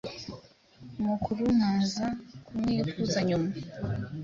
umukuru nkaza kumwikuza nyuma?”